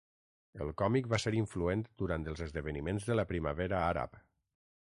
El còmic va ser influent durant els esdeveniments de la primavera àrab.